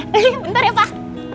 hehehe bentar ya pak